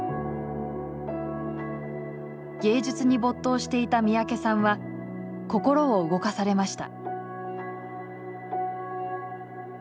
芸術に没頭していた三宅さんは心を動かされました。